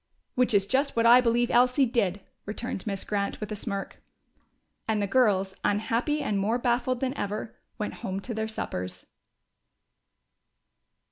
"Which is just what I believe Elsie did!" returned Miss Grant, with a smirk. And the girls, unhappy and more baffled than ever, went home to their suppers.